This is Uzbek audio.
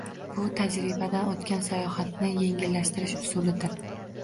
Bu tajribadan o‘tgan sayohatni yengillashtish usulidir.